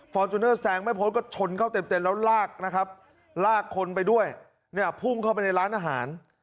จูเนอร์แซงไม่พ้นก็ชนเข้าเต็มแล้วลากนะครับลากคนไปด้วยเนี่ยพุ่งเข้าไปในร้านอาหาร